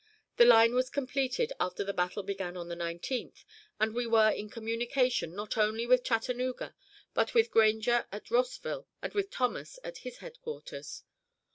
The line was completed after the battle began on the 19th, and we were in communication not only with Chattanooga, but with Granger at Rossville and with Thomas at his headquarters.